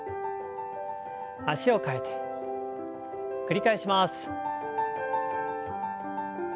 脚を替えて繰り返します。